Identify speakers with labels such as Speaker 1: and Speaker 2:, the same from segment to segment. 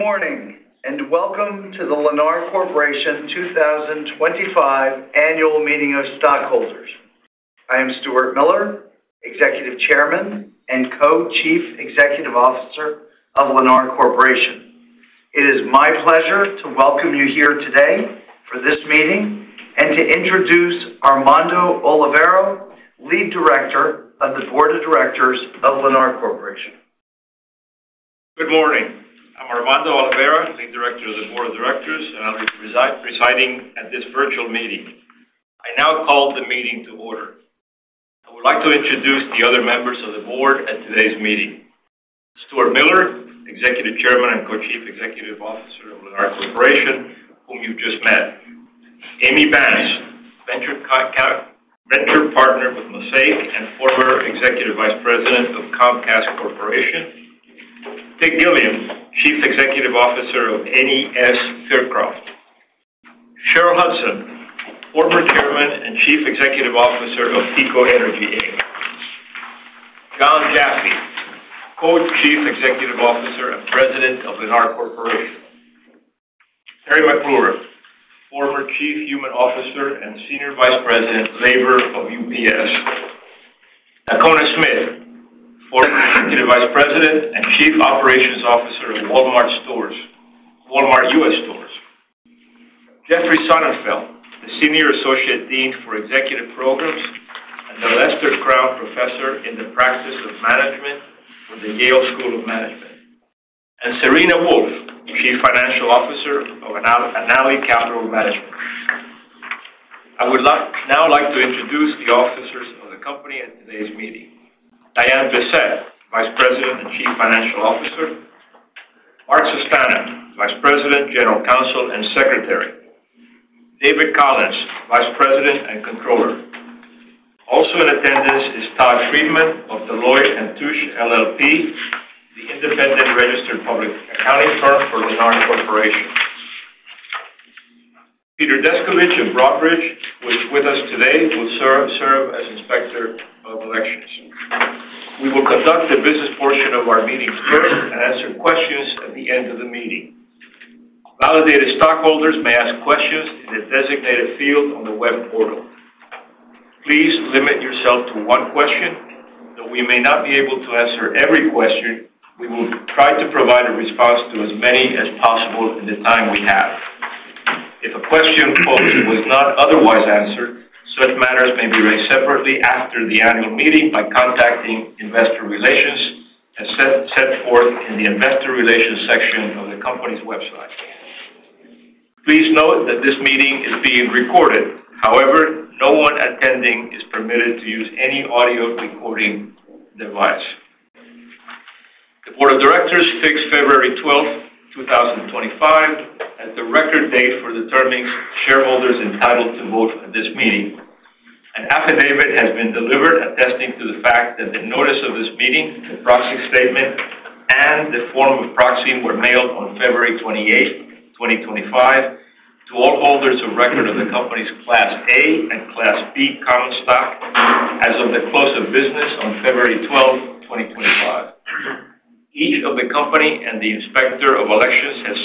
Speaker 1: Morning and welcome to the Lennar Corporation 2025 Annual Meeting of Stockholders. I am Stuart Miller, Executive Chairman and Co-Chief Executive Officer of Lennar Corporation. It is my pleasure to welcome you here today for this meeting and to introduce Armando Olivera, Lead Director of the Board of Directors of Lennar Corporation.
Speaker 2: Good morning. I'm Armando Olivera, Lead Director of the Board of Directors, and I'll be presiding at this virtual meeting. I now call the meeting to order. I would like to introduce the other members of the board at today's meeting: Stuart Miller, Executive Chairman and Co-Chief Executive Officer of Lennar Corporation, whom you've just met; Amy Banse, Venture Partner with Mosaic and former Executive Vice President of Comcast Corporation; Tig Gilliam, Chief Executive Officer of NES Fircroft; Sherrill Hudson, former Chairman and Chief Executive Officer of TECO Energy; Jon Jaffe, Co-Chief Executive Officer and President of Lennar Corporation; Teri McClure, former Chief Human Resources Officer and Senior Vice President, Labor of UPS; Dacona Smith, former Executive Vice President and Chief Operations Officer of Walmart U.S. Stores; Jeffrey Sonnenfeld, the Senior Associate Dean for Executive Programs and the Lester Crown Professor in the Practice of Management for the Yale School of Management; and Serena Wolfe, Chief Financial Officer of Annaly Capital Management. I would now like to introduce the officers of the company at today's meeting: Diane Bessette, Vice President and Chief Financial Officer; Mark Sustana, Vice President, General Counsel and Secretary; David Collins, Vice President and Controller. Also in attendance is Todd Freyman of Deloitte & Touche LLP, the independent registered public accounting firm for Lennar Corporation. Peter Descovich of Broadridge, who is with us today, will serve as Inspector of Elections. We will conduct the business portion of our meeting first and answer questions at the end of the meeting. Validated stockholders may ask questions in the designated field on the web portal. Please limit yourself to one question. Though we may not be able to answer every question, we will try to provide a response to as many as possible in the time we have. If a question was not otherwise answered, such matters may be raised separately after the annual meeting by contacting Investor Relations, as set forth in the Investor Relations section of the company's website. Please note that this meeting is being recorded. However, no one attending is permitted to use any audio recording device. The Board of Directors fixed February 12, 2025, as the record date for determining shareholders entitled to vote at this meeting. An affidavit has been delivered attesting to the fact that the notice of this meeting, the proxy statement, and the form of proxy were mailed on February 28, 2025, to all holders of record of the company's Class A and Class B common stock as of the close of business on February 12, 2025. Each of the company and the Inspector of Elections has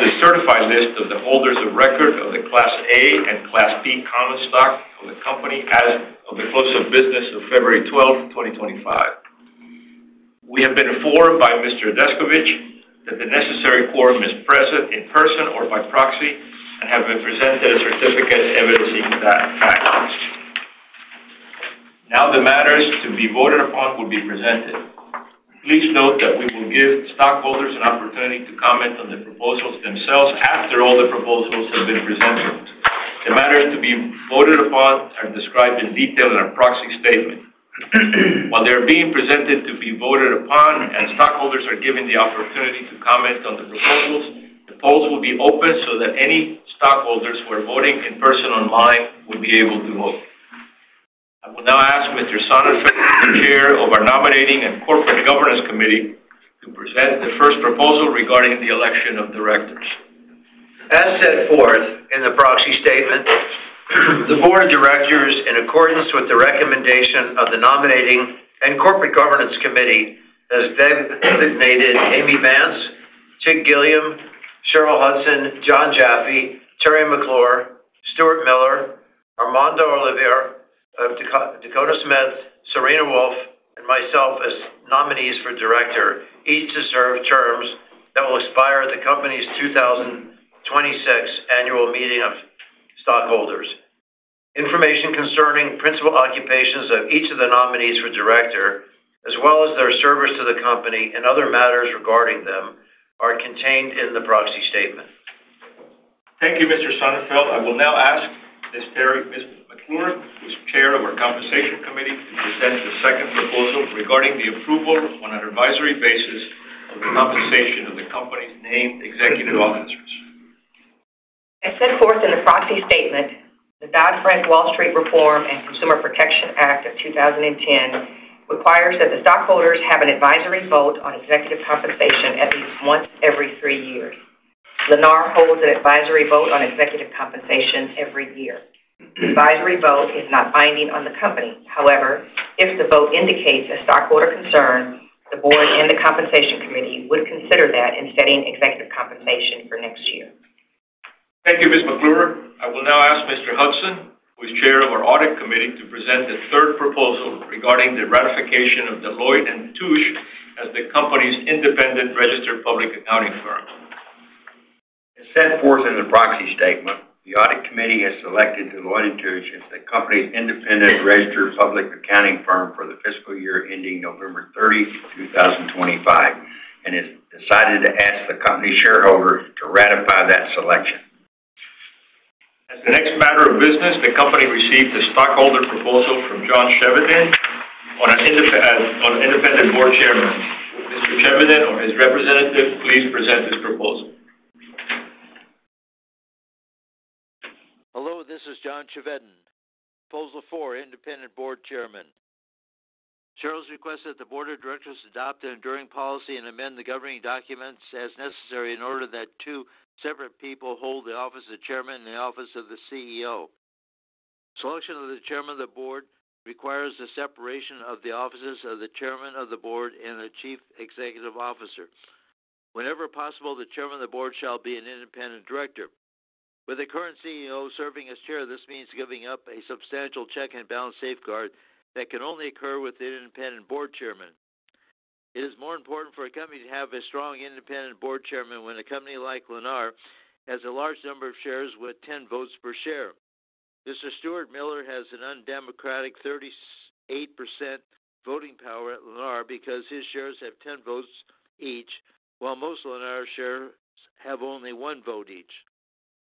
Speaker 2: a certified list of the holders of record of the Class A and Class B common stock of the company as of the close of business on February 12, 2025. We have been informed by Mr. Descovich that the necessary quorum is present in person or by proxy and have been presented a certificate evidencing that fact. Now, the matters to be voted upon will be presented. Please note that we will give stockholders an opportunity to comment on the proposals themselves after all the proposals have been presented. The matters to be voted upon are described in detail in our proxy statement. While they are being presented to be voted upon and stockholders are given the opportunity to comment on the proposals, the polls will be open so that any stockholders who are voting in person online will be able to vote. I will now ask Mr. Sonnenfeld, the Chair of our Nominating and Corporate Governance Committee, to present the first proposal regarding the election of directors.
Speaker 3: As set forth in the proxy statement, the Board of Directors, in accordance with the recommendation of the Nominating and Corporate Governance Committee, has designated Amy Bennett, Peg Gilliam, Sherrill Hudson, John Jaffe, Terry McLaurin, Stuart Miller, Armando Olivero, Dakota Smith, Serena Wolfe, and myself as nominees for director, each to serve terms that will expire at the company's 2026 Annual Meeting of Stockholders. Information concerning principal occupations of each of the nominees for director, as well as their service to the company and other matters regarding them, are contained in the proxy statement.
Speaker 1: Thank you, Mr. Sonnenfeld. I will now ask Ms. Terry McLaurin, who's Chair of our Compensation Committee, to present the second proposal regarding the approval on an advisory basis of the compensation of the company's named executive officers.
Speaker 4: As set forth in the proxy statement, the Dodd-Frank Wall Street Reform and Consumer Protection Act of 2010 requires that the stockholders have an advisory vote on executive compensation at least once every three years. Lennar holds an advisory vote on executive compensation every year. The advisory vote is not binding on the company. However, if the vote indicates a stockholder concern, the board and the Compensation Committee would consider that in setting executive compensation for next year.
Speaker 1: Thank you, Ms. McLaurin. I will now ask Mr. Hudson, who is Chair of our Audit Committee, to present the third proposal regarding the ratification of Deloitte & Touche as the company's independent registered public accounting firm.
Speaker 5: As set forth in the proxy statement, the Audit Committee has selected Deloitte & Touche as the company's independent registered public accounting firm for the fiscal year ending November 30, 2025, and has decided to ask the company shareholders to ratify that selection.
Speaker 1: As the next matter of business, the company received a stockholder proposal from John Chevedden on an independent board chairman. Mr. Chevedden or his representative, please present this proposal.
Speaker 3: Hello, this is John Chevedden. Proposal for independent board chairman. Shareholders' request that the Board of Directors adopt an enduring policy and amend the governing documents as necessary in order that two separate people hold the office of chairman and the office of the CEO. Selection of the chairman of the board requires the separation of the offices of the chairman of the board and the chief executive officer. Whenever possible, the chairman of the board shall be an independent director. With the current CEO serving as chair, this means giving up a substantial check and balance safeguard that can only occur with an independent board chairman. It is more important for a company to have a strong independent board chairman when a company like Lennar has a large number of shares with 10 votes per share. Mr. Stuart Miller has an undemocratic 38% voting power at Lennar because his shares have 10 votes each, while most Lennar shares have only one vote each.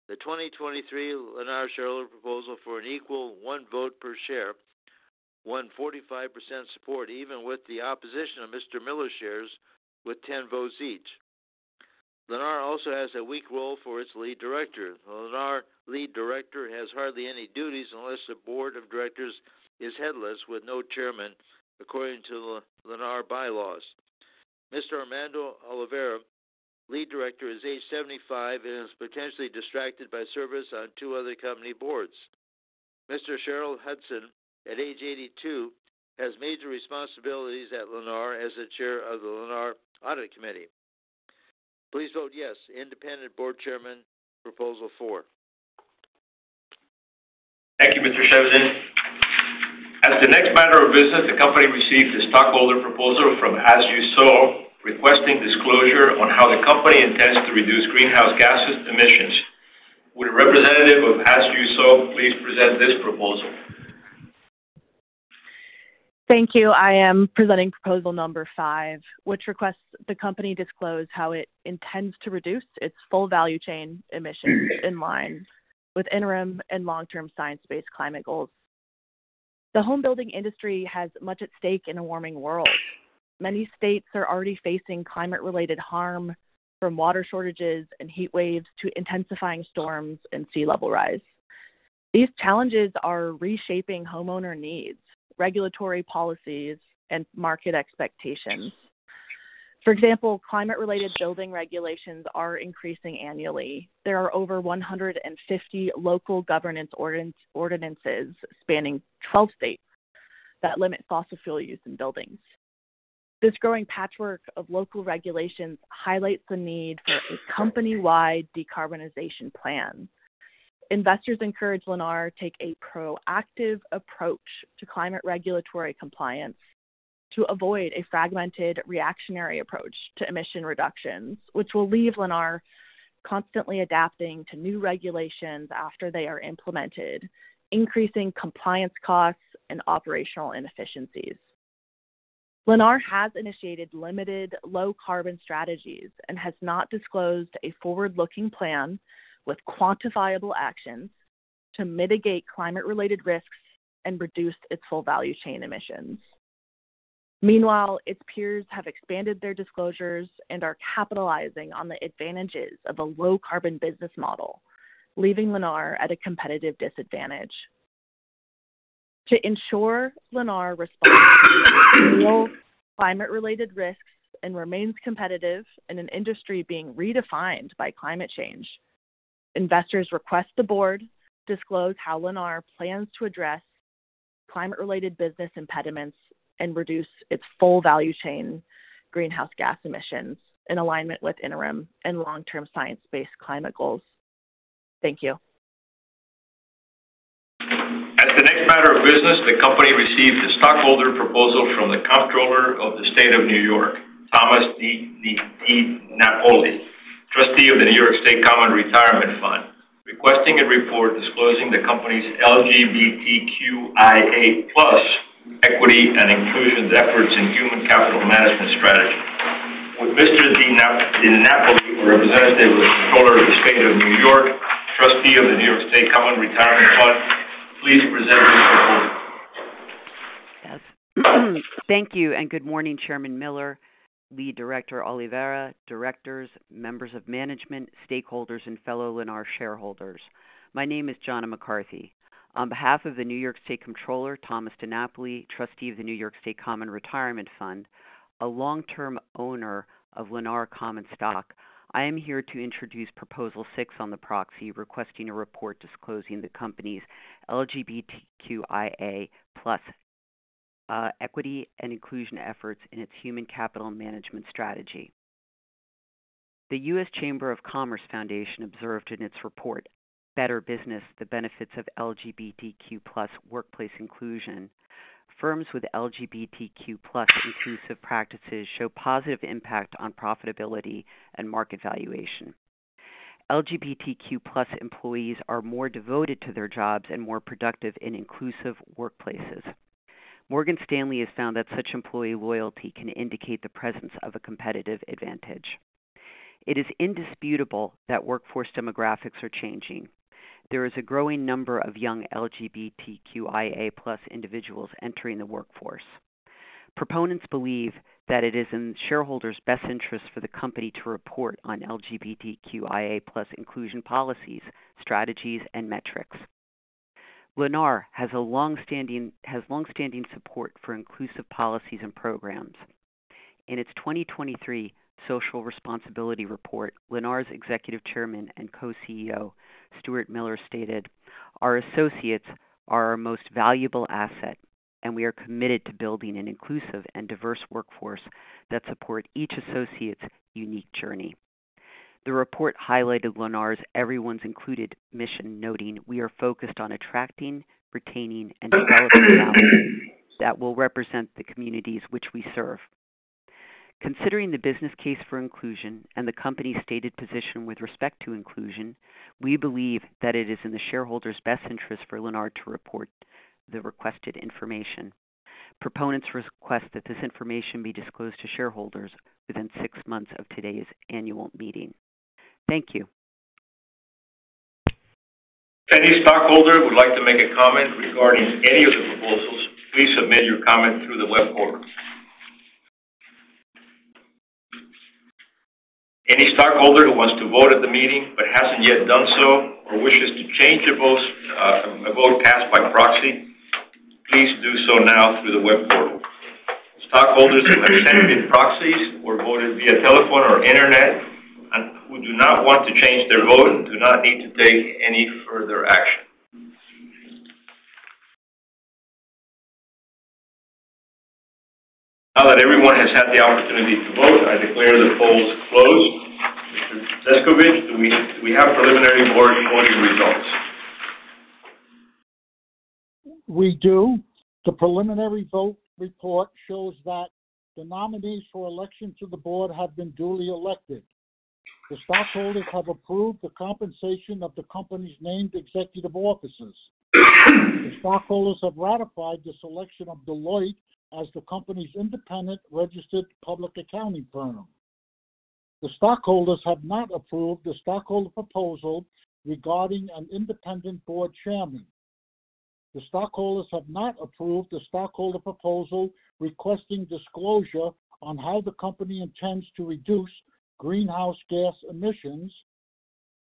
Speaker 3: The 2023 Lennar-Shareholder proposal for an equal one vote per share won 45% support, even with the opposition of Mr. Miller's shares with 10 votes each. Lennar also has a weak role for its lead director. Lennar's lead director has hardly any duties unless the board of directors is headless with no chairman, according to Lennar bylaws. Mr. Armando Olivero, lead director, is age 75 and is potentially distracted by service on two other company boards. Mr. Sherrill Hudson, at age 82, has major responsibilities at Lennar as the Chair of the Lennar Audit Committee. Please vote yes to independent board chairman proposal four.
Speaker 1: Thank you, Mr. Chevedden. As the next matter of business, the company received a stockholder proposal from As You Sow requesting disclosure on how the company intends to reduce greenhouse gas emissions. Would a representative of As You Sow please present this proposal? Thank you. I am presenting proposal number five, which requests the company disclose how it intends to reduce its full value chain emissions in line with interim and long-term science-based climate goals. The homebuilding industry has much at stake in a warming world. Many states are already facing climate-related harm, from water shortages and heat waves to intensifying storms and sea level rise. These challenges are reshaping homeowner needs, regulatory policies, and market expectations. For example, climate-related building regulations are increasing annually. There are over 150 local governance ordinances spanning 12 states that limit fossil fuel use in buildings. This growing patchwork of local regulations highlights the need for a company-wide decarbonization plan. Investors encourage Lennar to take a proactive approach to climate regulatory compliance to avoid a fragmented reactionary approach to emission reductions, which will leave Lennar constantly adapting to new regulations after they are implemented, increasing compliance costs and operational inefficiencies. Lennar has initiated limited low-carbon strategies and has not disclosed a forward-looking plan with quantifiable actions to mitigate climate-related risks and reduce its full value chain emissions. Meanwhile, its peers have expanded their disclosures and are capitalizing on the advantages of a low-carbon business model, leaving Lennar at a competitive disadvantage. To ensure Lennar responds to real climate-related risks and remains competitive in an industry being redefined by climate change, investors request the board disclose how Lennar plans to address climate-related business impediments and reduce its full value chain greenhouse gas emissions in alignment with interim and long-term science-based climate goals. Thank you. As the next matter of business, the company received a stockholder proposal from the Comptroller of the State of New York, Thomas DiNapoli, Trustee of the New York State Common Retirement Fund, requesting a report disclosing the company's LGBTQIA+ equity and inclusion efforts in human capital management strategy. Would Mr. DiNapoli, who represents the Comptroller of the State of New York, Trustee of the New York State Common Retirement Fund, please present this proposal?
Speaker 6: Thank you and good morning, Chairman Miller, Lead Director Olivero, directors, members of management, stakeholders, and fellow Lennar shareholders. My name is John McCarthy. On behalf of the New York State Comptroller, Thomas DiNapoli, Trustee of the New York State Common Retirement Fund, a long-term owner of Lennar common stock, I am here to introduce proposal six on the proxy requesting a report disclosing the company's LGBTQIA+ equity and inclusion efforts in its human capital management strategy. The U.S. Chamber of Commerce Foundation observed in its report, "Better Business: The Benefits of LGBTQ+ Workplace Inclusion," firms with LGBTQ+ inclusive practices show positive impact on profitability and market valuation. LGBTQ+ employees are more devoted to their jobs and more productive in inclusive workplaces. Morgan Stanley has found that such employee loyalty can indicate the presence of a competitive advantage. It is indisputable that workforce demographics are changing. There is a growing number of young LGBTQIA+ individuals entering the workforce. Proponents believe that it is in shareholders' best interest for the company to report on LGBTQIA+ inclusion policies, strategies, and metrics. Lennar has long-standing support for inclusive policies and programs. In its 2023 Social Responsibility Report, Lennar's Executive Chairman and Co-CEO, Stuart Miller, stated, "Our associates are our most valuable asset, and we are committed to building an inclusive and diverse workforce that supports each associate's unique journey." The report highlighted Lennar's Everyone's Included mission, noting, "We are focused on attracting, retaining, and developing families that will represent the communities which we serve." Considering the business case for inclusion and the company's stated position with respect to inclusion, we believe that it is in the shareholders' best interest for Lennar to report the requested information. Proponents request that this information be disclosed to shareholders within six months of today's annual meeting. Thank you.
Speaker 1: Any stockholder who would like to make a comment regarding any of the proposals, please submit your comment through the web portal. Any stockholder who wants to vote at the meeting but hasn't yet done so or wishes to change a vote passed by proxy, please do so now through the web portal. Stockholders who have sent in proxies or voted via telephone or internet and who do not want to change their vote do not need to take any further action. Now that everyone has had the opportunity to vote, I declare the polls closed. Mr. Descovich, do we have preliminary board voting results?
Speaker 7: We do. The preliminary vote report shows that the nominees for election to the board have been duly elected. The stockholders have approved the compensation of the company's named executive officers. The stockholders have ratified the selection of Deloitte as the company's independent registered public accounting firm. The stockholders have not approved the stockholder proposal regarding an independent board chairman. The stockholders have not approved the stockholder proposal requesting disclosure on how the company intends to reduce greenhouse gas emissions,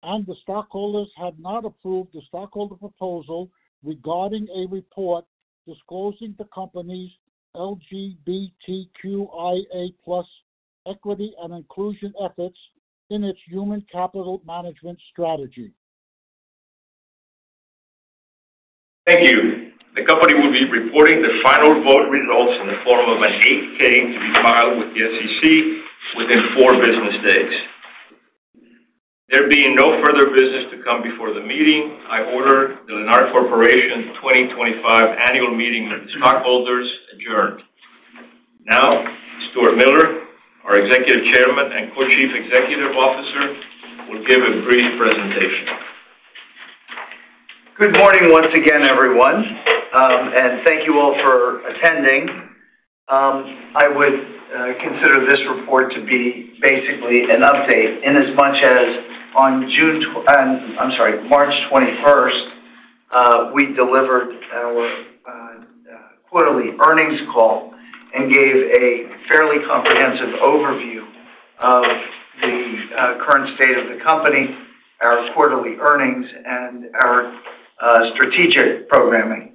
Speaker 7: and the stockholders have not approved the stockholder proposal regarding a report disclosing the company's LGBTQIA+ equity and inclusion efforts in its human capital management strategy.
Speaker 1: Thank you. The company will be reporting the final vote results in the form of an 8-K to be filed with the SEC within four business days. There being no further business to come before the meeting, I order the Lennar Corporation 2025 annual meeting of the stockholders adjourned. Now, Stuart Miller, our Executive Chairman and Co-Chief Executive Officer, will give a brief presentation. Good morning once again, everyone, and thank you all for attending. I would consider this report to be basically an update inasmuch as on June—I'm sorry—March 21st, we delivered our quarterly earnings call and gave a fairly comprehensive overview of the current state of the company, our quarterly earnings, and our strategic programming.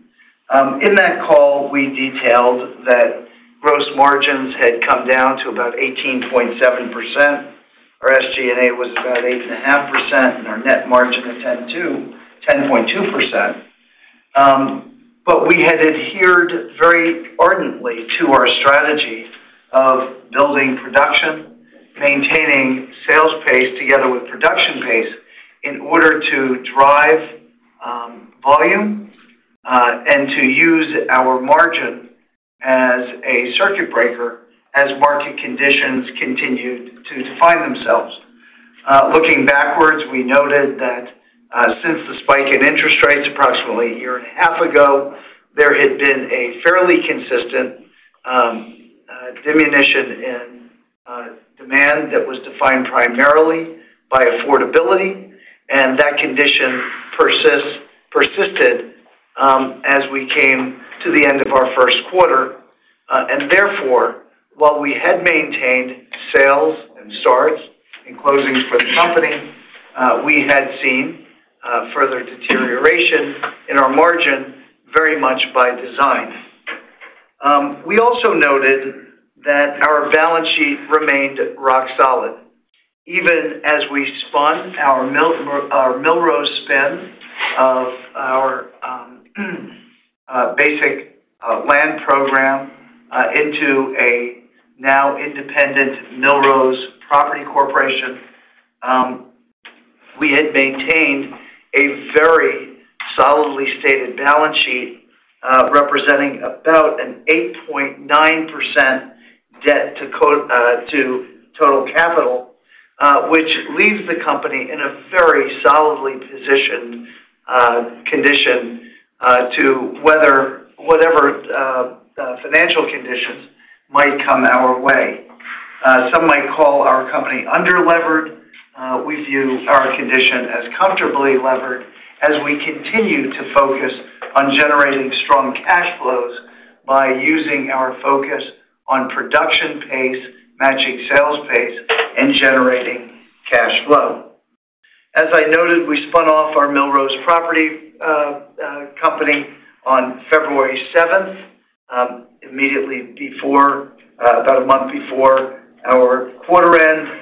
Speaker 1: In that call, we detailed that gross margins had come down to about 18.7%, our SG&A was about 8.5%, and our net margin at 10.2%. We had adhered very ardently to our strategy of building production, maintaining sales pace together with production pace in order to drive volume and to use our margin as a circuit breaker as market conditions continued to define themselves. Looking backwards, we noted that since the spike in interest rates approximately a year and a half ago, there had been a fairly consistent diminution in demand that was defined primarily by affordability, and that condition persisted as we came to the end of our first quarter. Therefore, while we had maintained sales and starts and closings for the company, we had seen further deterioration in our margin very much by design. We also noted that our balance sheet remained rock solid. Even as we spun our Millrose spend of our basic land program into a now independent Millrose Property Corporation, we had maintained a very solidly stated balance sheet representing about an 8.9% debt to total capital, which leaves the company in a very solidly positioned condition to weather whatever financial conditions might come our way. Some might call our company under-levered. We view our condition as comfortably levered as we continue to focus on generating strong cash flows by using our focus on production pace, matching sales pace, and generating cash flow. As I noted, we spun off our Millrose Property Corporation on February 7th, immediately before, about a month before our quarter end.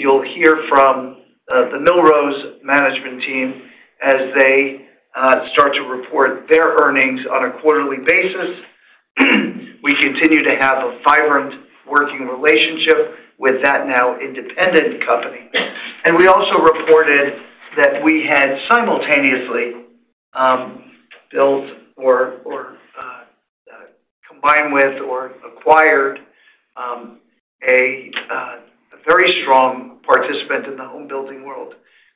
Speaker 1: You will hear from the Millrose management team as they start to report their earnings on a quarterly basis. We continue to have a vibrant working relationship with that now independent company. We also reported that we had simultaneously built or combined with or acquired a very strong participant in the homebuilding world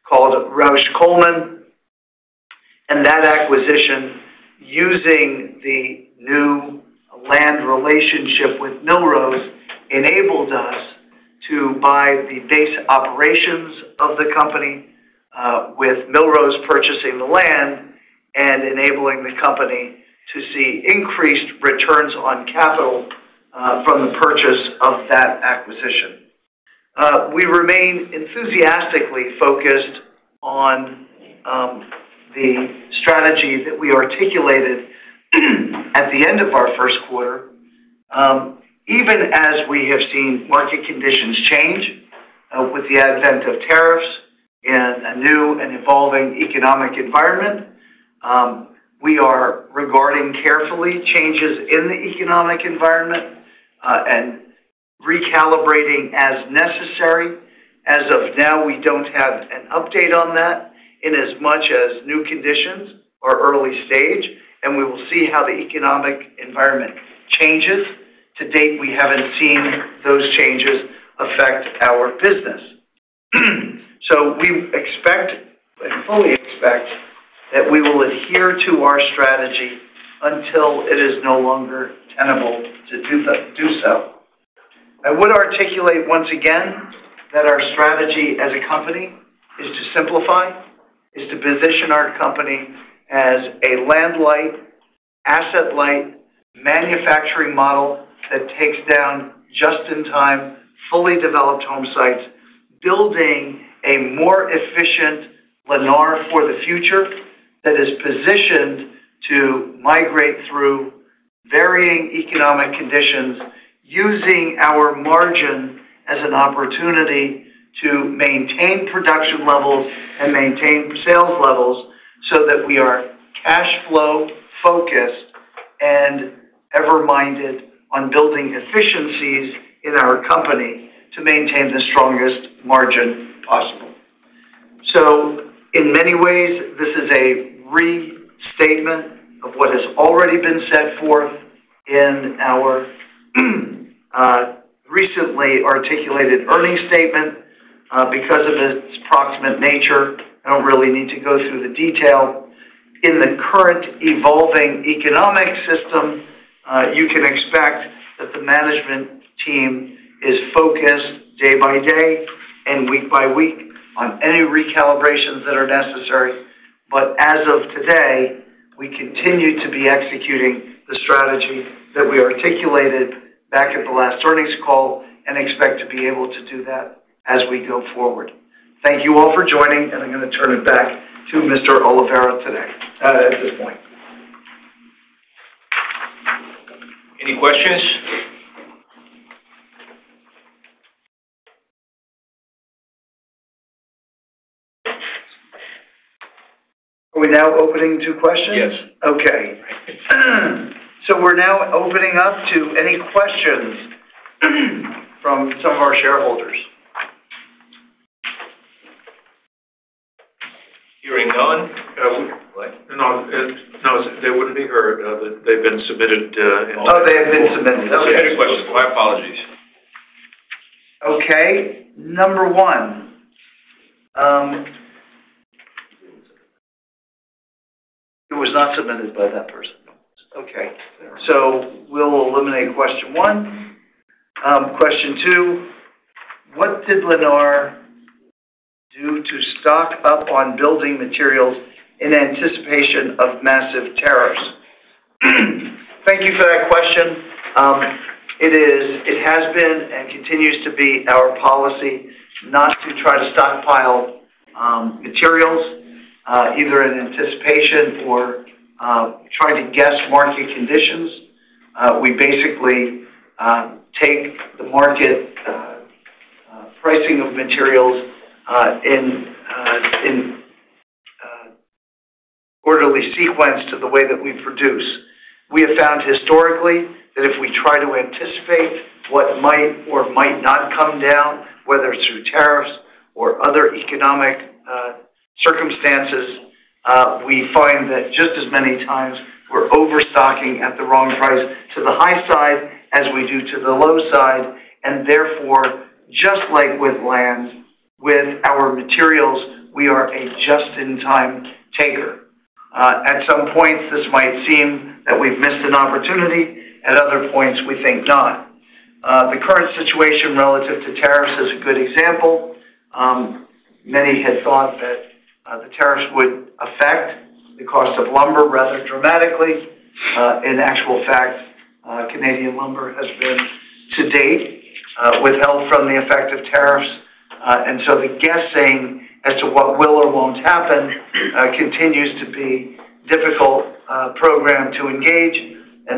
Speaker 1: called Rausch Coleman. That acquisition, using the new land relationship with Millrose, enabled us to buy the base operations of the company, with Millrose purchasing the land and enabling the company to see increased returns on capital from the purchase of that acquisition. We remain enthusiastically focused on the strategy that we articulated at the end of our first quarter. Even as we have seen market conditions change with the advent of tariffs and a new and evolving economic environment, we are regarding carefully changes in the economic environment and recalibrating as necessary. As of now, we do not have an update on that inasmuch as new conditions are early stage, and we will see how the economic environment changes. To date, we have not seen those changes affect our business. We expect and fully expect that we will adhere to our strategy until it is no longer tenable to do so. I would articulate once again that our strategy as a company is to simplify, is to position our company as a land-like, asset-like manufacturing model that takes down just-in-time fully developed home sites, building a more efficient Lennar for the future that is positioned to migrate through varying economic conditions, using our margin as an opportunity to maintain production levels and maintain sales levels so that we are cash flow-focused and ever-minded on building efficiencies in our company to maintain the strongest margin possible. In many ways, this is a restatement of what has already been set forth in our recently articulated earnings statement. Because of its proximate nature, I do not really need to go through the detail. In the current evolving economic system, you can expect that the management team is focused day by day and week by week on any recalibrations that are necessary. As of today, we continue to be executing the strategy that we articulated back at the last earnings call and expect to be able to do that as we go forward. Thank you all for joining, and I'm going to turn it back to Mr. Olivera today at this point. Any questions? Are we now opening to questions?
Speaker 2: Yes.
Speaker 1: Okay. We are now opening up to any questions from some of our shareholders.
Speaker 2: Hearing none. No, they would not be heard. They have been submitted.
Speaker 1: No, they have been submitted.
Speaker 2: Okay. Any questions? My apologies.
Speaker 1: Okay. Number one.
Speaker 2: It was not submitted by that person.
Speaker 1: Okay. We'll eliminate question one. Question two, what did Lennar do to stock up on building materials in anticipation of massive tariffs? Thank you for that question. It has been and continues to be our policy not to try to stockpile materials either in anticipation or trying to guess market conditions. We basically take the market pricing of materials in quarterly sequence to the way that we produce. We have found historically that if we try to anticipate what might or might not come down, whether it's through tariffs or other economic circumstances, we find that just as many times we're overstocking at the wrong price to the high side as we do to the low side. Therefore, just like with land, with our materials, we are a just-in-time taker. At some points, this might seem that we've missed an opportunity. At other points, we think not. The current situation relative to tariffs is a good example. Many had thought that the tariffs would affect the cost of lumber rather dramatically. In actual fact, Canadian lumber has been to date withheld from the effect of tariffs. The guessing as to what will or will not happen continues to be a difficult program to engage.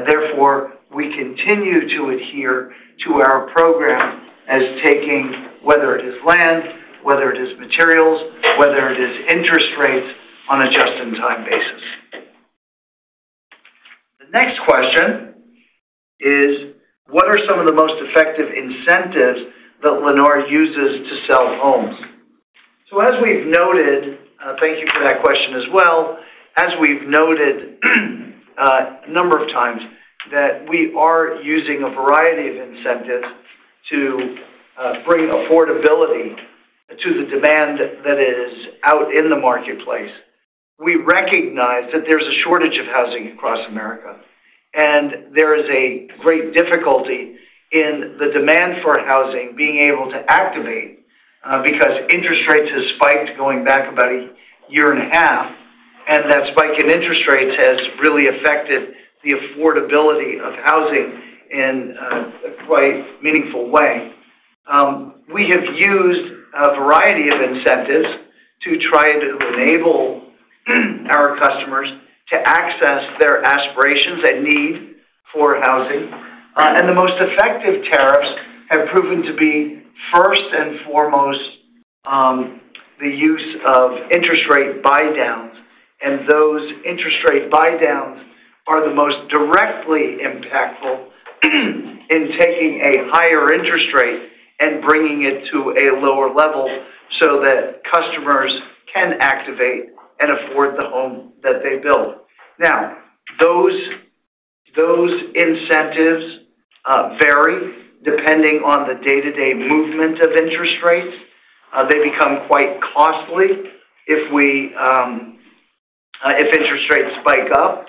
Speaker 1: Therefore, we continue to adhere to our program as taking whether it is land, whether it is materials, whether it is interest rates on a just-in-time basis. The next question is, what are some of the most effective incentives that Lennar uses to sell homes? As we have noted—thank you for that question as well—as we have noted a number of times that we are using a variety of incentives to bring affordability to the demand that is out in the marketplace. We recognize that there's a shortage of housing across America, and there is a great difficulty in the demand for housing being able to activate because interest rates have spiked going back about a year and a half, and that spike in interest rates has really affected the affordability of housing in a quite meaningful way. We have used a variety of incentives to try to enable our customers to access their aspirations and need for housing. The most effective tariffs have proven to be, first and foremost, the use of interest rate buy-downs. Those interest rate buy-downs are the most directly impactful in taking a higher interest rate and bringing it to a lower level so that customers can activate and afford the home that they build. Those incentives vary depending on the day-to-day movement of interest rates. They become quite costly if interest rates spike up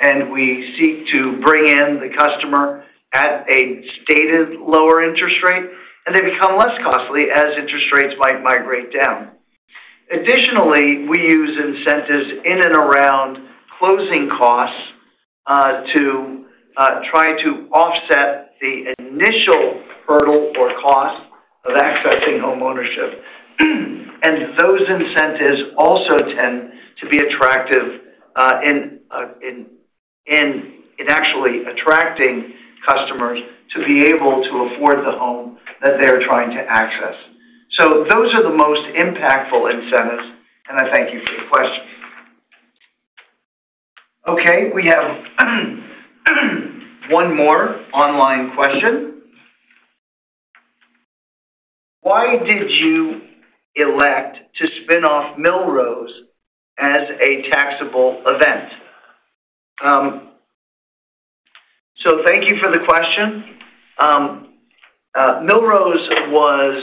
Speaker 1: and we seek to bring in the customer at a stated lower interest rate, and they become less costly as interest rates might migrate down. Additionally, we use incentives in and around closing costs to try to offset the initial hurdle or cost of accessing home ownership. Those incentives also tend to be attractive in actually attracting customers to be able to afford the home that they're trying to access. Those are the most impactful incentives, and I thank you for your questions. Okay. We have one more online question. Why did you elect to spin off Millrose as a taxable event? Thank you for the question. Millrose was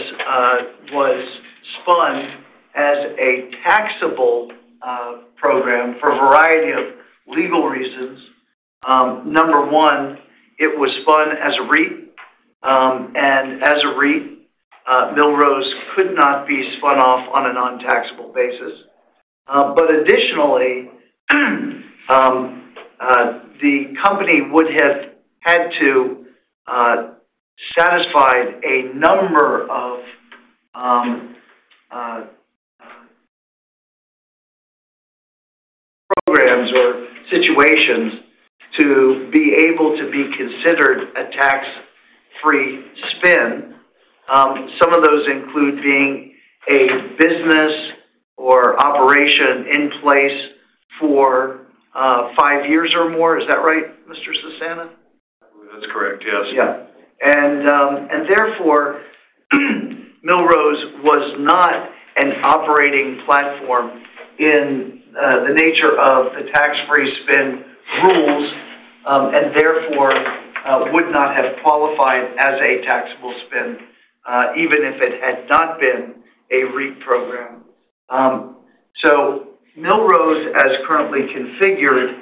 Speaker 1: spun as a taxable program for a variety of legal reasons. Number one, it was spun as a REIT. As a REIT, Millrose could not be spun off on a non-taxable basis. Additionally, the company would have had to satisfy a number of programs or situations to be able to be considered a tax-free spin. Some of those include being a business or operation in place for five years or more. Is that right, Mr. Sustana?
Speaker 2: That's correct. Yes.
Speaker 1: Yeah. Therefore, Millrose was not an operating platform in the nature of the tax-free spin rules and therefore would not have qualified as a taxable spin even if it had not been a REIT program. Millrose, as currently configured,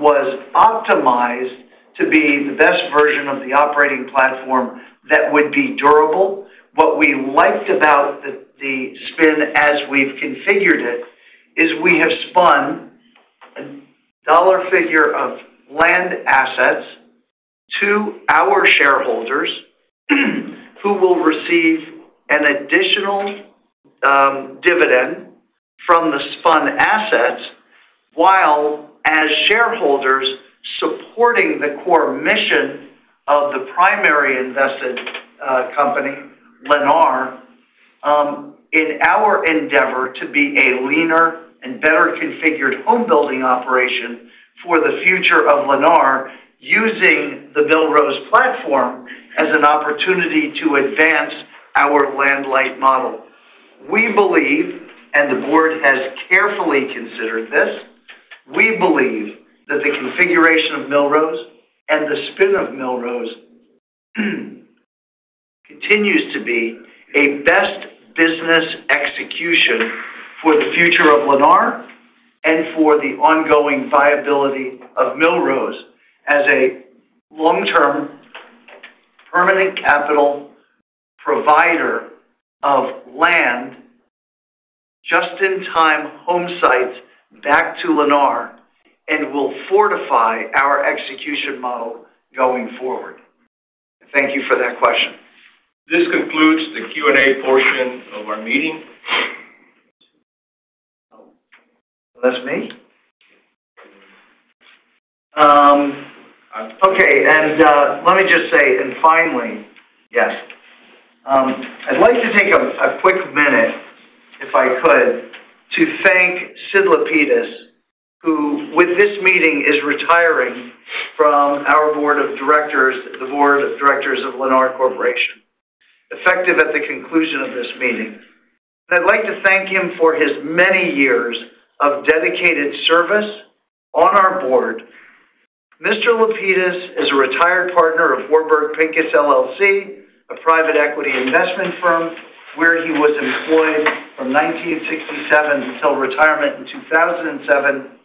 Speaker 1: was optimized to be the best version of the operating platform that would be durable. What we liked about the spin as we've configured it is we have spun a dollar figure of land assets to our shareholders who will receive an additional dividend from the spun assets while, as shareholders, supporting the core mission of the primary invested company, Lennar, in our endeavor to be a leaner and better configured homebuilding operation for the future of Lennar using the Millrose platform as an opportunity to advance our land-like model. We believe, and the board has carefully considered this, we believe that the configuration of Millrose and the spin of Millrose continues to be a best business execution for the future of Lennar and for the ongoing viability of Millrose as a long-term permanent capital provider of land, just-in-time home sites back to Lennar, and will fortify our execution model going forward. Thank you for that question.
Speaker 2: This concludes the Q&A portion of our meeting.
Speaker 1: Unless me? Okay. Let me just say, and finally, yes. I'd like to take a quick minute, if I could, to thank Sidney Lapidus, who with this meeting is retiring from our board of directors, the board of directors of Lennar Corporation, effective at the conclusion of this meeting. I'd like to thank him for his many years of dedicated service on our board. Mr. Lapidus is a retired partner of Warburg Pincus LLC, a private equity investment firm where he was employed from 1967 until retirement in 2007.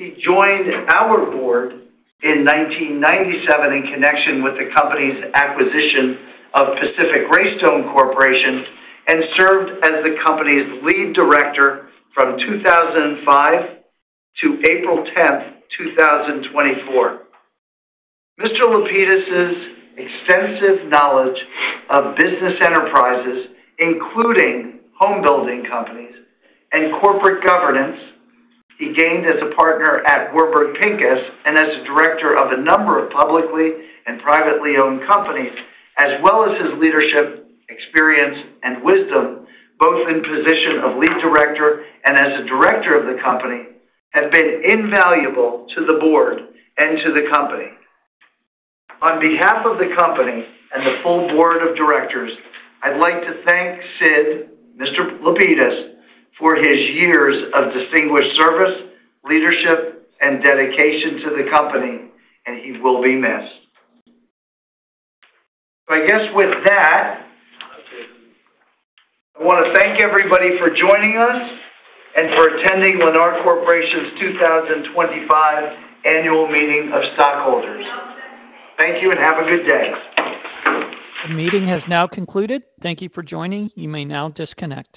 Speaker 1: He joined our board in 1997 in connection with the company's acquisition of Pacific Greystone Corporation and served as the company's lead director from 2005 to April 10th, 2024. Mr. Lapidus's extensive knowledge of business enterprises, including homebuilding companies and corporate governance, he gained as a partner at Warburg Pincus and as a director of a number of publicly and privately owned companies, as well as his leadership experience and wisdom, both in position of lead director and as a director of the company, have been invaluable to the board and to the company. On behalf of the company and the full board of directors, I'd like to thank Sid, Mr. Lapidus, for his years of distinguished service, leadership, and dedication to the company, and he will be missed. I want to thank everybody for joining us and for attending Lennar Corporation's 2025 annual meeting of stockholders. Thank you and have a good day.
Speaker 8: The meeting has now concluded. Thank you for joining. You may now disconnect.